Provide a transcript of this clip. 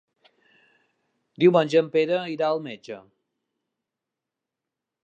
Diumenge en Pere irà al metge.